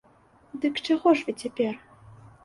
Дык чаго ж вы цяпер?